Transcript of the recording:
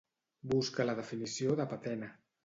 Busca la definició de patena.